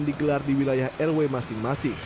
dikelar di wilayah lw masing masing